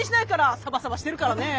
サバサバしてるからね。